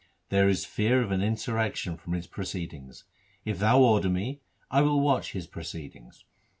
There is fear of an insurrection from his proceedings. If thou order me, I will watch his proceedings.